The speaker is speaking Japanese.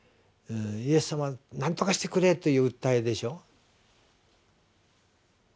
イエスさま何とかしてくれ！という訴えでしょ。